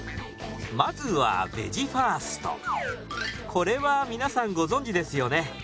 これは皆さんご存じですよね。